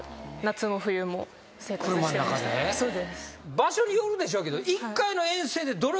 場所によるでしょうけど。